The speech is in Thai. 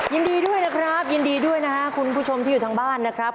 ยินดีด้วยนะครับยินดีด้วยนะครับคุณผู้ชมที่อยู่ทางบ้านนะครับ